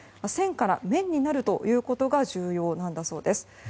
線から面になるということが重要だそうです。